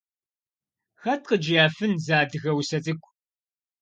Хэт къыджиӏэфын зы адыгэ усэ цӏыкӏу?